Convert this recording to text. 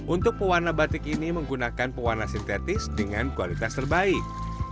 untuk pewarna batik ini menggunakan pewarna sintetis dengan kualitas terbaik